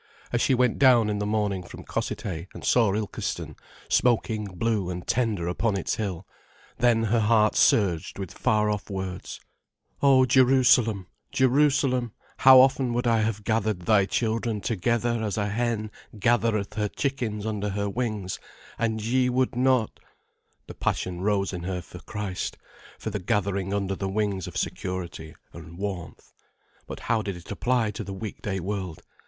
As she went down in the morning from Cossethay and saw Ilkeston smoking blue and tender upon its hill, then her heart surged with far off words: "Oh, Jerusalem, Jerusalem—how often would I have gathered thy children together as a hen gathereth her chickens under her wings, and ye would not—" The passion rose in her for Christ, for the gathering under the wings of security and warmth. But how did it apply to the weekday world?